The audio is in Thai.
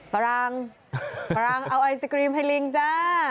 ฝรั่งปรังเอาไอศกรีมให้ลิงจ้า